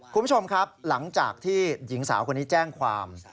คุณผู้ชมครับหลังจากที่หญิงสาวคนนี้แจ้งความ